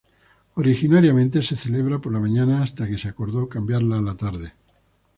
Originariamente se celebraba por la mañana, hasta que se acordó cambiarla a la tarde.